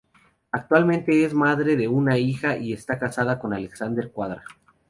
Actualmente es madre de una hija y está casada con Alexander Cuadra.